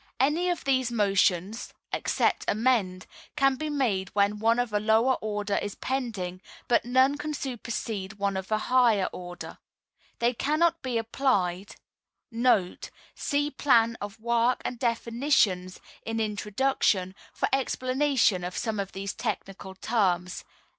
Any of these motions (except Amend) can be made when one of a lower order is pending, but none can supersede one of a higher order. They cannot be applied* [See Plan of Work and Definitions, in Introduction, for explanation of some of these technical terms.